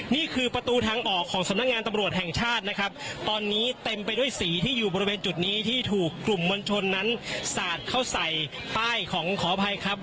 นี่คือประตูทางออกของสำนักงานตำรวจแห่งชาตินะครับตอนนี้เต็มไปด้วยสีที่อยู่บริเวณจุดนี้ที่ถูกกลุ่มมวลชนนั้นสาดเข้าใส่ป้ายของขออภัยครับ